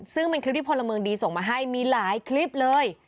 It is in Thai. ซึ่งเป็นคลิปที่พลเมืองดีส่งมาให้มีหลายคลิปเลย